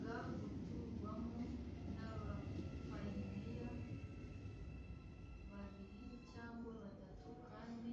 ga guturwamo n abapayiniya babiri cyangwa batatu kandi